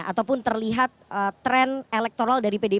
ataupun terlihat tren elektoral dari pdip